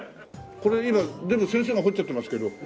これ今全部先生が彫っちゃってますけど。